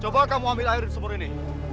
coba kamu ambil air di sumur ini